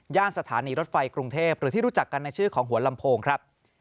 สถานีรถไฟกรุงเทพหรือที่รู้จักกันในชื่อของหัวลำโพงครับ